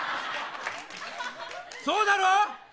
そうだろ。